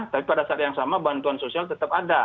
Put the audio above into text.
tapi pada saat yang sama bantuan sosial tetap ada